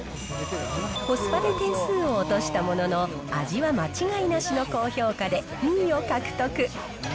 コスパで点数を落としたものの、味は間違いなしの高評価で２位を獲得。